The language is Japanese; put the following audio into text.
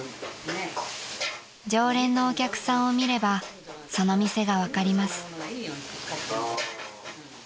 ［常連のお客さんを見ればその店が分かります］